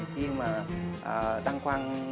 khi mà tăng quan